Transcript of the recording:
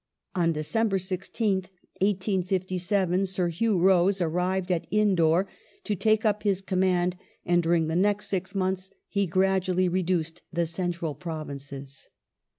On December 16th, 1857, Sir Hugh Rose arrived at Indore to take up his command, and during the next six months he gradually reduced the Central Provinces.